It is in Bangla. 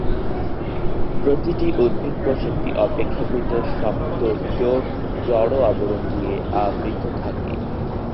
গ্রিক ভাষা থেকে এসেছে।